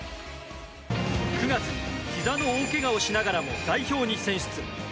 ９月にひざの大けがをしながらも代表に選出。